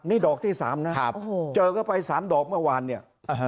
นี่ดอกที่๓นะเจอเข้าไป๓ดอกเมื่อวานเนี่ย